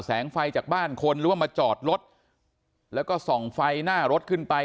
แสงไฟจากบ้านคนหรือว่ามาจอดรถแล้วก็ส่องไฟหน้ารถขึ้นไป